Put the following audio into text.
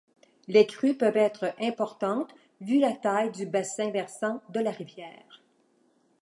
Les crues peuvent être importantes, vue la taille du bassin versant de la rivière.